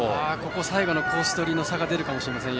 最後のコースどりの差が出るかもしれません。